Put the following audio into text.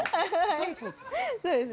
そうですね。